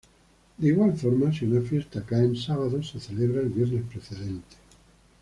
De igual forma, si una fiesta cae en sábado, se celebra el viernes precedente.